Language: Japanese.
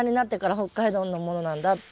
北海道のものなんだって。